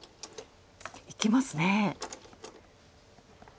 いきますね。